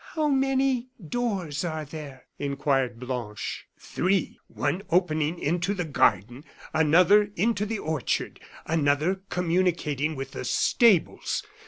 "How many doors are there?" inquired Blanche. "Three; one opening into the garden, another into the orchard, another communicating with the stables.